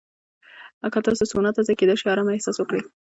که تاسو سونا ته ځئ، کېدای شي ارامه احساس وکړئ.